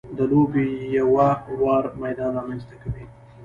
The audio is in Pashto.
د لوبې یو ه وار میدان رامنځته کوي.